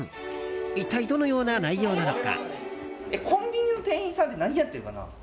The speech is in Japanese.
一体どのような内容なのか。